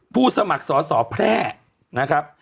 ผู้สมัครศห์ศแพละนะครับ